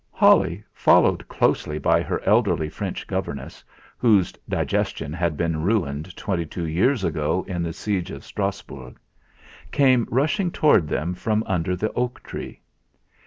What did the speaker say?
Holly, followed closely by her elderly French governess, whose digestion had been ruined twenty two years ago in the siege of Strasbourg, came rushing towards them from under the oak tree.